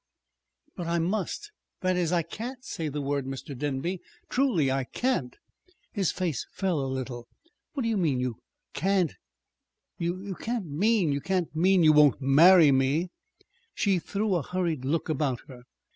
"But I must that is I can't say the word, Mr. Denby. Truly I can't!" His face fell a little. "What do you mean? You can't mean you can't mean you won't marry me?" She threw a hurried look about her.